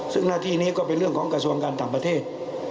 ซึ่งหน้าที่นี้ก็เป็นเรื่องของกระทรวงการต่างประเทศ